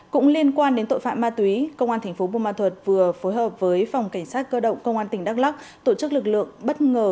cũng liên quan đến tội phạm ma túy công an tp bùa ma thuật vừa phối hợp với phòng cảnh sát cơ động công an tỉnh đắk lắk tổ chức lực lượng bất ngờ